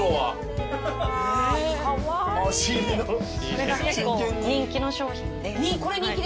これが結構人気の商品で。